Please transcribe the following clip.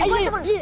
eh gua aturan